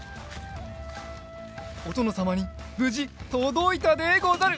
おとのさまにぶじとどいたでござる！